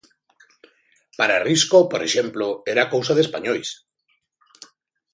Para Risco, por exemplo, era cousa de españois.